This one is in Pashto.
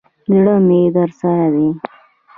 زړه مي درسره دی.